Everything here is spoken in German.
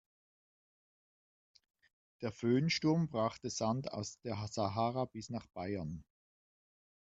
Der Föhnsturm brachte Sand aus der Sahara bis nach Bayern.